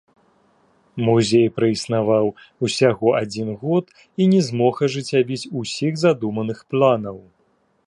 Музей праіснаваў усяго адзін год і не змог ажыццявіць ўсіх задуманых планаў.